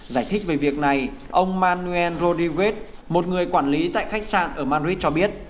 giải thích về việc này ông manuel rodriguez một người quản lý tại khách sạn ở madrid cho biết